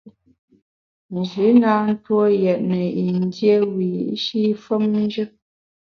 Nji na ntue yètne yin dié wiyi’shi femnjù.